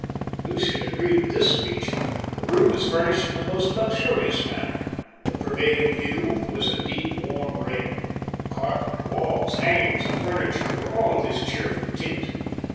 Lucian agreed with this speech. The room was furnished in the most luxurious manner. The prevailing hue was a deep, warm red carpet, walls, hangings, and furniture were all of this cheerful tint.